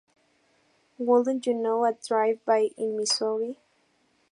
Wouldn't you know, a drive by in Missouri.